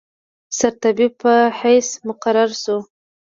سرطبیب په حیث مقرر شو.